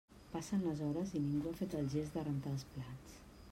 Passen les hores i ningú ha fet el gest de rentar els plats.